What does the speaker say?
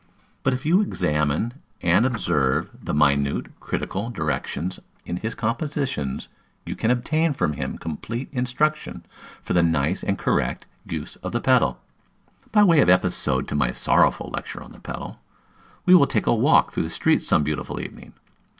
But, if you examine and observe the minute, critical directions in his compositions, you can obtain from him complete instruction for the nice and correct use of the pedal. By way of episode to my sorrowful lecture on the pedal, we will take a walk through the streets some beautiful evening.